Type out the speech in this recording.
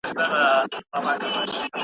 انټرنیټ تاسو ته د زده کړې اسانتیا برابروي.